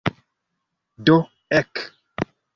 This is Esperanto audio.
Do ek!